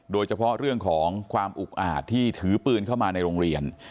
โดยเฉพาะเรื่องของความอุกอาจที่ถือปืนเข้ามาในโรงเรียน